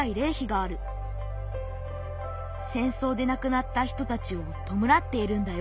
戦争で亡くなった人たちをとむらっているんだよ。